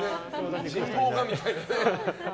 人望がみたいな。